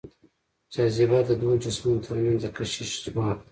جاذبه د دوو جسمونو تر منځ د کشش ځواک دی.